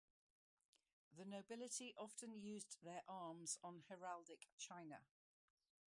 The nobility often used their arms on heraldic china.